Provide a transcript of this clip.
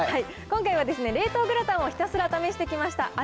今回は冷凍グラタンをひたすら試してきました。